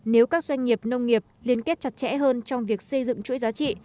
nếu các doanh nghiệp nông nghiệp liên kết chặt chẽ hơn trong việc xây dựng chuỗi giá trị